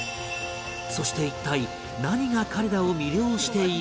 そして一体何が彼らを魅了しているのか？